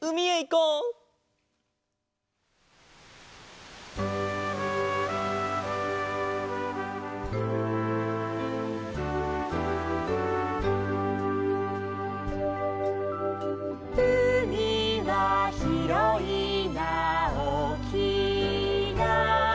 「うみはひろいなおおきいな」